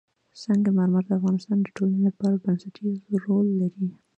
سنگ مرمر د افغانستان د ټولنې لپاره بنسټيز رول لري.